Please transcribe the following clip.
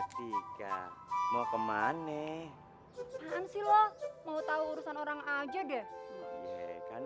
tiga mau kemane maaf loh mau tahu urusan orang aja deh kan